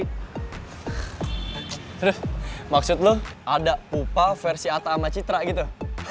terus maksud lo ada upah versi ata sama citra gitu